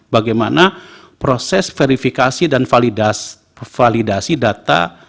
bagaimana proses verifikasi dan validasi data